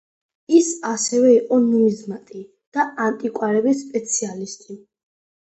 ის ასევე იყო ნუმიზმატი და ანტიკვარების სპეციალისტი.